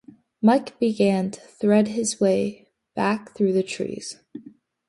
Mike began to thread his way back through the trees.